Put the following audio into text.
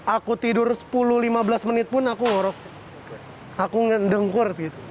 aku tidur sepuluh lima belas menit pun aku ngedengkur